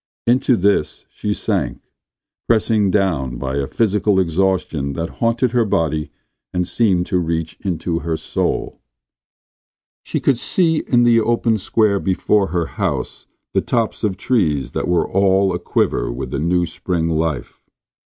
Into this she sank, pressed down by a physical exhaustion that haunted her body and seemed to reach into her soul. She could see in the open square before her house the tops of trees that were all aquiver with the new spring life.